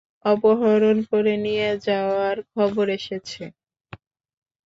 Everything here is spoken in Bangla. অপহরণ করে নিয়ে যাওয়ার খবর এসেছে।